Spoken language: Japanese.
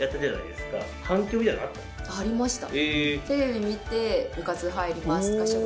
ありました。